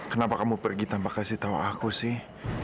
kenapa kamu pergi tanpa kasih tahu aku sih